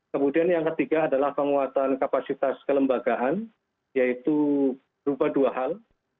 kemudian yang ketiga adalah penguatan kapasitas kelembagaan yaitu berupa dua hal